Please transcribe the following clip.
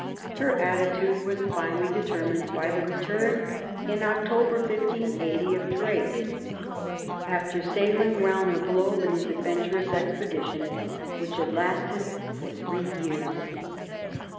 Her attitude was finally determined by the return, in October, 1580, of Drake, after sailing round the globe in his adventurous expedition, which had lasted for three years.